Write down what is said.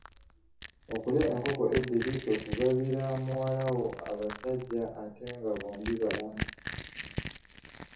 Okulya enkoko ebbiri kwe kugabira muwala wo abasajja ate nga bombi balamu.